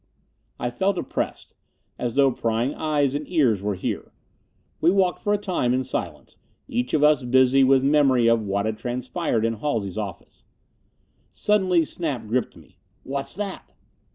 I felt oppressed. As though prying eyes and ears were here. We walked for a time in silence, each of us busy with memory of what had transpired in Halsey's office. Suddenly Snap gripped me. "What's that?"